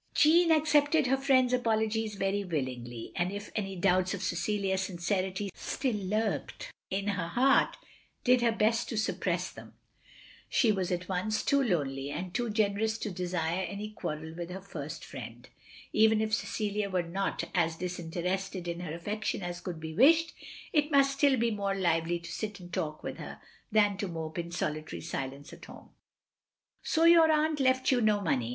" Jeanne accepted her friend's apologies very willingly; and if any doubts of Cecilia's sincerity still lurked in her heart, did her best to suppress them. She was at once too lonely and too gener ous to desire any qtiarrel with her first friend. Even if Cecilia were not as disinterested in her affection as could be wished, it must still be more lively to sit and talk with her, than to mope in solitary silence at home. " So your aunt left you no money.